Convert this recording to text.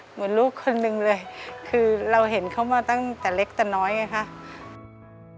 เหมือนลูกคนนึงเลยคือเราเห็นเขามาตั้งแต่เล็กแต่น้อยนะครับ